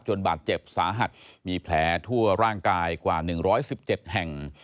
บาดเจ็บสาหัสมีแผลทั่วร่างกายกว่า๑๑๗แห่ง